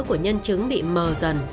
của nhân chứng bị mờ dần